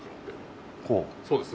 そうです。